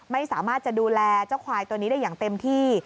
ไม่สามารถจะดูแลเจ้าควายตัวนี้ได้อย่างเต็มที่